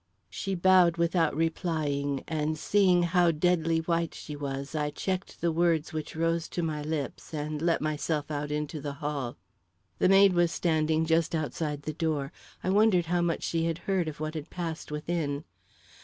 She bowed without replying, and seeing how deadly white she was, I checked the words which rose to my lips and let myself out into the hall. The maid was standing just outside the door. I wondered how much she had heard of what had passed within.